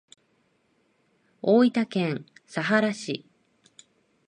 大分県佐伯市